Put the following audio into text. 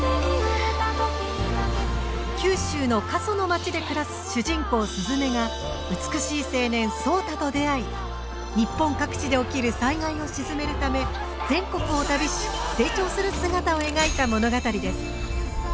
九州の過疎の町で暮らす主人公・鈴芽が美しい青年・草太と出会い日本各地で起きる災害を鎮めるため全国を旅し成長する姿を描いた物語です。